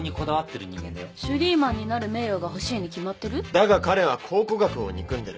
だが彼は考古学を憎んでる。